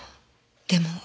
でも。